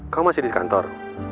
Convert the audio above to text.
kau masih di kantor